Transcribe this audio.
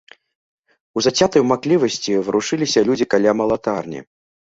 У зацятай маўклівасці варушыліся людзі каля малатарні.